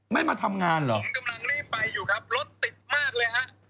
ไม่มาทำงานหรอเธอ